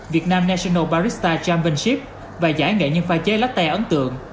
việt nam national barista championship và giải nghệ nhân pha chế latte ấn tượng